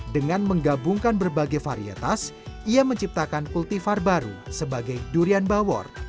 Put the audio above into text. dengan menggabungkan berbagai varietas ia menciptakan kultifar baru sebagai durian bawor